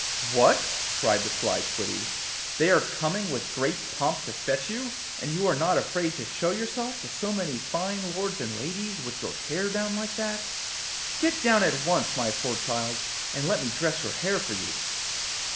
'What!' cried the sly Titty, 'they are coming with great pomp to fetch you, and you are not afraid to show yourself to so many fine lords and ladies with your hair down like that? Get down at once, my poor child, and let me dress your hair for you!